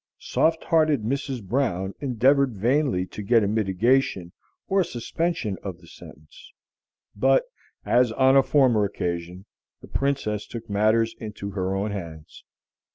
Soft hearted Mrs. Brown endeavored vainly to get a mitigation or suspension of the sentence. But, as on a former occasion, the Princess took matters into her own hands.